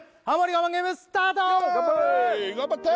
我慢ゲームスタート頑張れ！頑張って！